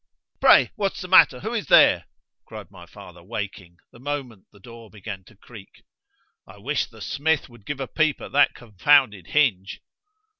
_ Pray what's the matter? Who is there? cried my father, waking, the moment the door began to creak.——I wish the smith would give a peep at that confounded hinge.